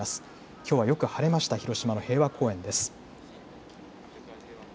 きょうはよく晴れました広島の平和公園です。